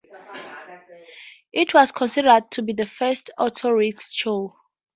It was considered to be the first autorickshaw.